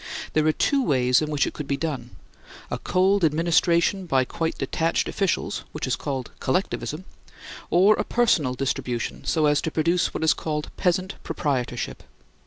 There are two ways in which it could be done, a cold administration by quite detached officials, which is called Collectivism, or a personal distribution, so as to produce what is called Peasant Proprietorship.